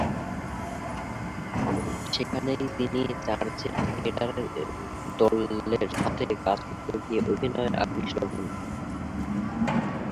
সেখানেই তিনি চার্চের থিয়েটার দলের সাথে কাজ করতে গিয়ে অভিনয়ে আকৃষ্ট হন।